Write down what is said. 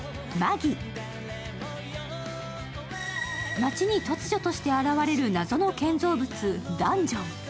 街に突如として現れる謎の建造物、ダンジョン。